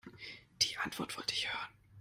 Die Antwort wollte ich hören.